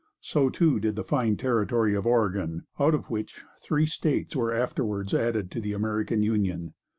So, too, did the fine territory of Oregon, out of which three states were afterwards added to the American Union.